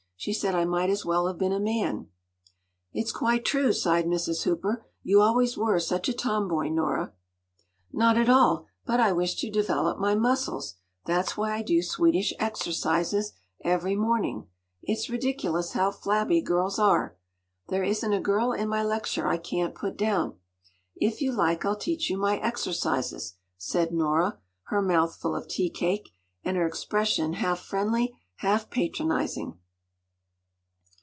She said I might as well have been a man.” “It’s quite true,” sighed Mrs. Hooper. “You always were such a tomboy, Nora.” “Not at all! But I wish to develop my muscles. That’s why I do Swedish exercises every morning. It’s ridiculous how flabby girls are. There isn’t a girl in my lecture I can’t put down. If you like, I’ll teach you my exercises,” said Nora, her mouth full of tea cake, and her expression half friendly, half patronising.